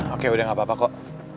oke udah gak apa apa kok